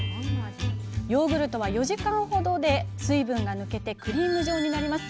ヨーグルトは４時間ほどで水分が抜けてクリーム状になります。